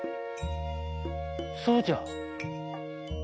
そうじゃ。